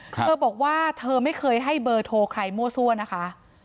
เธอบอกว่าเธอไม่เคยให้เบอร์โทรใครมั่วซั่วนะคะ